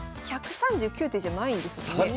１３９手じゃないんですね。